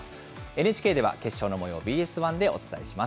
ＮＨＫでは決勝のもよう、ＢＳ１でお伝えします。